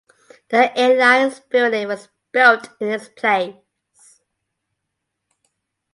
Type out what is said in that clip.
The Airlines Building was built in its place.